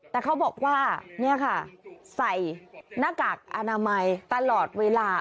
แต่เขาบอกว่านี่ค่ะใส่หน้ากากอนามัยตลอดเวลา